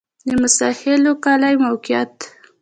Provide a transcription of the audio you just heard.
د موسی خیل کلی موقعیت